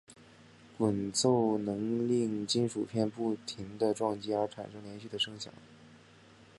滚奏能令金属片不停地撞击而产生连续的声响。